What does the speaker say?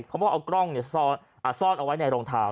เขาบอกเอากล้องซ่อนเอาไว้ในรองเท้า